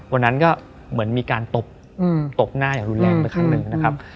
วันนั้นก็เหมือนมีการตบตบหน้าอย่างรุนแรงไปครั้งหนึ่งนะครับ